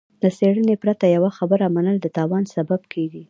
له څېړنې پرته يوه خبره منل د تاوان سبب کېږي.